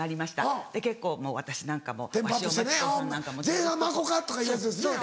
前半巻こうかとかいうやつですね。